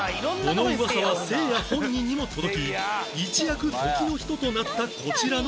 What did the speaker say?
この噂はせいや本人にも届き一躍時の人となったこちらの方